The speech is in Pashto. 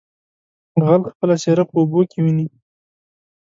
ـ غل خپله څېره په اوبو کې ويني.